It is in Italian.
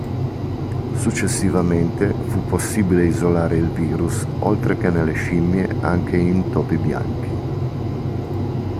Successivamente fu possibile isolare il virus oltre che nelle scimmie anche in topi bianchi.